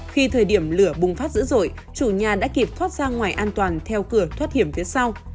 khi thời điểm lửa bùng phát dữ dội chủ nhà đã kịp thoát ra ngoài an toàn theo cửa thoát hiểm phía sau